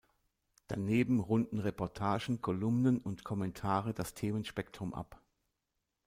Daneben runden Reportagen, Kolumnen und Kommentare das Themenspektrum ab.